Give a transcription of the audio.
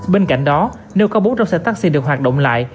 bên cạnh đó nếu có bốn trăm linh xe taxi được hoạt động lại